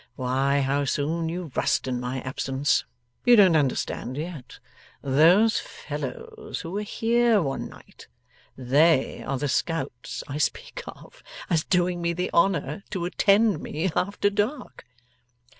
Why, how soon you rust in my absence! You don't understand yet? Those fellows who were here one night. They are the scouts I speak of, as doing me the honour to attend me after dark.